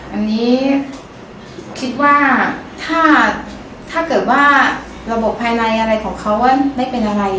อันนี้คิดว่าถ้าเกิดว่าระบบภายในอะไรของเขาว่าได้เป็นอะไร